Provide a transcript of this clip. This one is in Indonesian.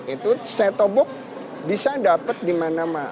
itu setobok bisa dapat di mana mana